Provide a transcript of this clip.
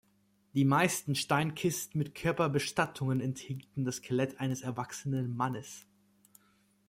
Die meisten Steinkisten mit Körperbestattungen enthielten das Skelett eines erwachsenen Mannes.